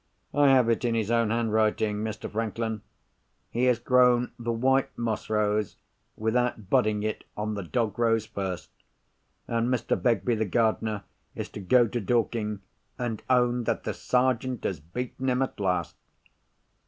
I have it in his own handwriting, Mr. Franklin. He has grown the white moss rose, without budding it on the dog rose first. And Mr. Begbie the gardener is to go to Dorking, and own that the Sergeant has beaten him at last."